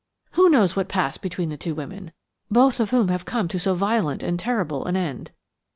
"Who knows what passed between the two women, both of whom have come to so violent and terrible an end?